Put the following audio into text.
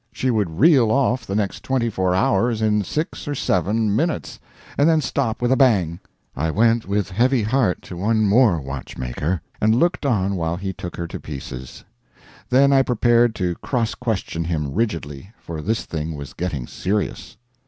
She would reel off the next twenty four hours in six or seven minutes, and then stop with a bang. I went with a heavy heart to one more watchmaker, and looked on while he took her to pieces. Then I prepared to cross question him rigidly, for this thing was getting serious.